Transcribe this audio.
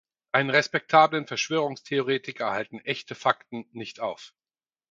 Einen respektablen Verschwörungtheoriker halten echte Fakten nicht auf.